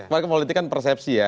maka politik kan persepsi ya